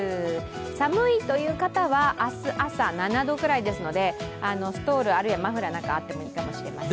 寒いという方は明日朝、７度くらいですのでストール、あるいはマフラーなんかもあったらいいかもしれません。